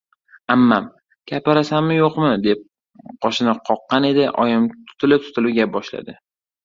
Ammam: «Gapirasanmi-yo’qmi?» deb qoshini qoqqan edi, oyim tutilib-tutilib gap boshladi: